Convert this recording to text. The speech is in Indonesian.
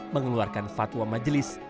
mengeluarkan fatwa majelis